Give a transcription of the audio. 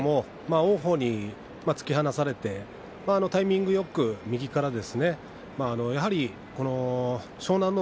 王鵬に突き放されてタイミングよく右からやはり湘南乃